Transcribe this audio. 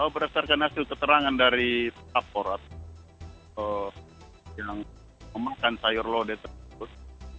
berdasarkan hasil keterangan dari aparat yang memakan sayur lode tersebut